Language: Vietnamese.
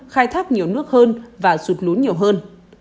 khai thác nhiều nước hơn và sụt lún nhiều hơn